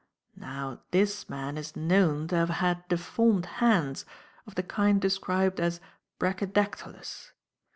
Now this man is known to have had deformed hands, of the kind described as brachydactylous.